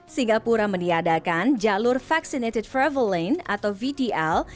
singapura meniadakan jalur vaccinated travel lane atau vtl